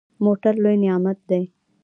موټر لوی نعمت دی.